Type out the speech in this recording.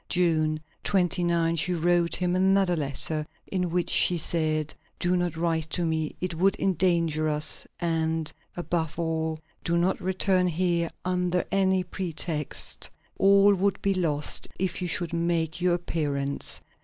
June 29, she wrote him another letter in which she said: "Do not write to me; it would endanger us; and, above all, do not return here under any pretext; all would be lost if you should make your appearance.